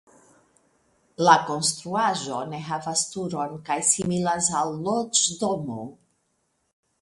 La konstruaĵo ne havas turon kaj similas al loĝdomo.